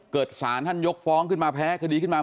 สารท่านยกฟ้องขึ้นมาแพ้คดีขึ้นมา